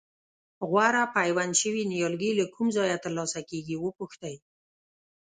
غوره پیوند شوي نیالګي له کوم ځایه ترلاسه کېږي وپوښتئ.